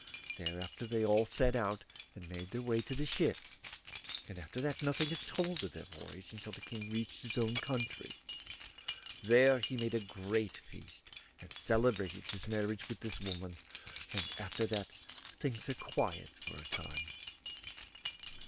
Thereafter they all set out, and made their way to the ship; and after that nothing is told of their voyage until the King reached his own country. There he made a great feast, and celebrated his marriage with this woman; and after that things are quiet for a time.